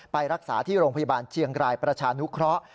ไปรักษาที่โรงพยาบาลเชียงรายประชานุเคราะห์